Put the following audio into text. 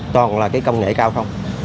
toàn là cái công nghệ cao không